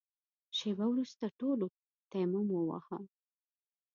شېبه وروسته ټولو تيمم وواهه.